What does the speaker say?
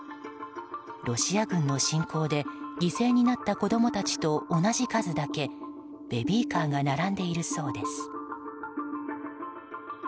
ロシア軍の侵攻で犠牲になった子供たちと同じ数だけベビーカーが並んでいるそうです。